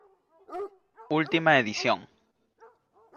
Última edición.